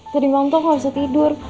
tadi malem tau aku gausah tidur